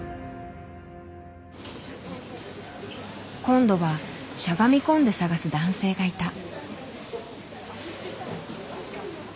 今度はしゃがみ込んで探す男性がいた。